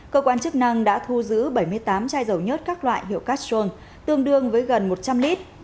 cơ quan chức năng đã thu giữ bảy mươi tám chai giàu nhất các loại hiệu castron tương đương với gần một trăm linh lít